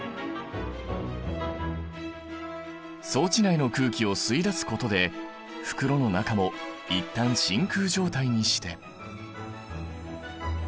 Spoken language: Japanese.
装置内の空気を吸い出すことで袋の中も一旦真空状態にして。